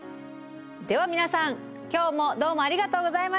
では皆さん今日もどうもありがとうございました。